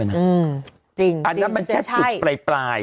อันนั้นมันแค่จุดปลาย